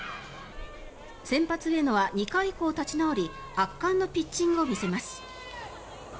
先発、上野は２回以降立ち直り圧巻のピッチングを見せます。